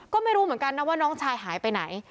ก็ไม่รู้เหมือนกันนะว่าน้องชายหายไปไหน